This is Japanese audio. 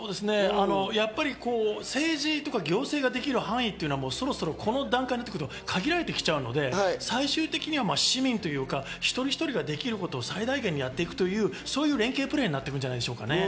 政治とか行政ができる範囲はその段階になってくると限られてきちゃうので、最終的には市民というか一人一人ができることを最大限にやっていくという連携プレーになってくるんじゃないでしょうか。